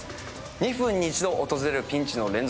２分に１度訪れるピンチの連続。